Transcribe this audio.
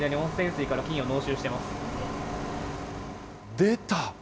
出た。